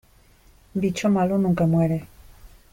Bicho malo nunca muere.